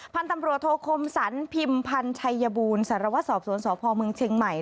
พันธุ์ตำรวจโทคมสรรพิมพันธ์ชัยบูรณสารวัตรสอบสวนสพเมืองเชียงใหม่